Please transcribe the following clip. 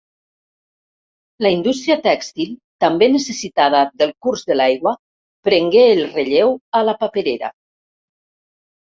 La indústria tèxtil, també necessitada del curs de l'aigua, prengué el relleu a la paperera.